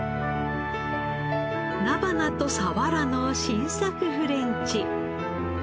菜花とサワラの新作フレンチ。